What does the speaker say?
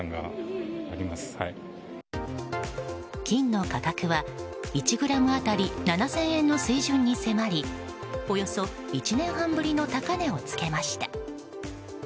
金の価格は１ｇ当たり７０００円の水準に迫りおよそ１年半ぶりの高値を付けました。